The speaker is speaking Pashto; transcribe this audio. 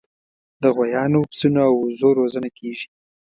د غویانو، پسونو او وزو روزنه کیږي.